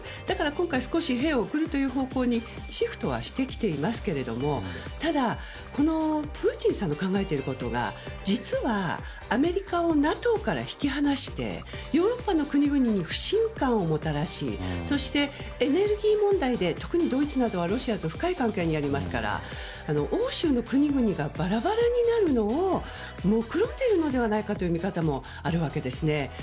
だから今回、兵を送る方向にシフトはしてきていますけどもただ、プーチンさんの考えていることが実はアメリカをＮＡＴＯから引き離してヨーロッパの国々に不信感をもたらしそして、エネルギー問題で特にドイツなどはロシアと深い関係にありますから欧州の国々がバラバラになるのを目論んでいるのではないかという見方もあるわけです。